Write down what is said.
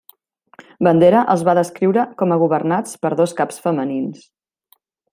Bandera els va descriure com a governats per dos caps femenins.